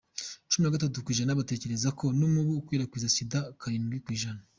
Cuminagatatu kw’ijana batekereza ko n’umubu ukwirakwiza Sida, karindwi kw’ijana